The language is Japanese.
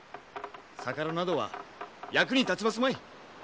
逆艪などは役に立ちますまい。